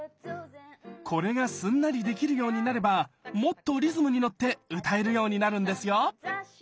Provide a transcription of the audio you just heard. これがすんなりできるようになればもっとリズムに乗って歌えるようになるんですよ